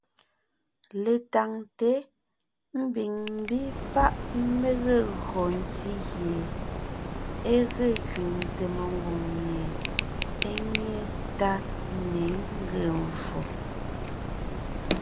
Letáŋte ḿbiŋ ḿbí páʼ mé gee gÿo ntí gie e ge kẅiŋte mengwòŋ mie é nyé tá ne ńgee mvfò.